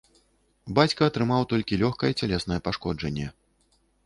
Бацька атрымаў толькі лёгкае цялеснае пашкоджанне.